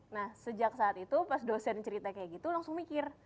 nah sejak saat itu pas dosen cerita kayak gitu langsung mikir